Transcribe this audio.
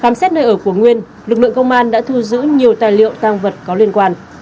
khám xét nơi ở của nguyên lực lượng công an đã thu giữ nhiều tài liệu tăng vật có liên quan